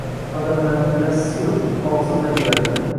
Odamlarni bilasiz-ku, og`zi bilan yuradi